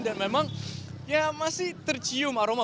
dan memang masih tercium aroma